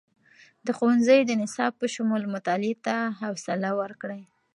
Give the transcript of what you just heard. د ښوونځیو د نصاب په شمول، مطالعې ته خوصله ورکړئ.